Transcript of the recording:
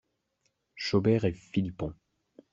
Chobert et Philippon.